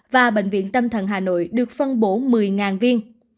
và bệnh viện tâm thần hà nội được phân bổ một mươi viên